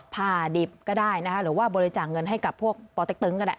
ดิบก็ได้นะคะหรือว่าบริจาคเงินให้กับพวกปเต็กตึงก็ได้